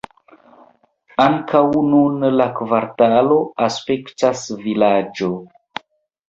Ankaŭ nun la kvartalo aspektas vilaĝo.